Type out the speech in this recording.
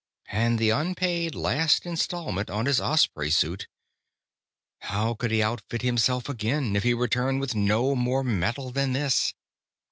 And the unpaid last instalment on his Osprey suit. How could he outfit himself again, if he returned with no more metal than this?